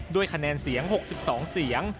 ด้วยคะแนนเสียง๖๒เสียง